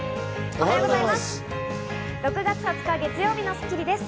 おはようございます。